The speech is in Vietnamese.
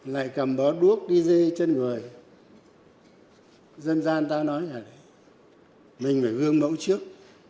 lại cầm bó đuốc đi dây chân người dân gian ta nói là mình phải gương mẫu trước